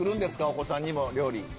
お子さんにも料理。